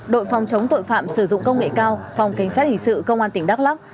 đội phòng chống tội phạm sử dụng công nghệ cao phòng cảnh sát hình sự công an tỉnh đắk lắc